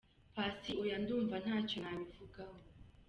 Paccy : Oya, ndumva ntacyo nabivugaho.